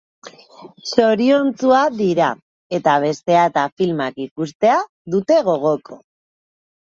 Zoriontsu dira, eta abestea eta filmak ikustea dute gogoko.